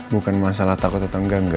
bukan masalah takut atau enggak enggak